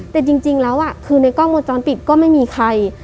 แต่จริงแล้วคือในกล้องวงจรปิดก็ไม่มีใคร